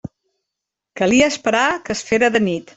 Calia esperar que es fera de nit.